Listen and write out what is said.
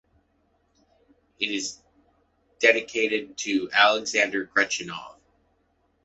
It is dedicated to Alexandre Gretchaninov.